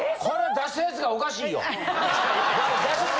出したヤツがおかしい。